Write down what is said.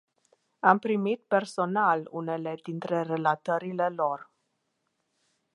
Am primit personal unele dintre relatările lor.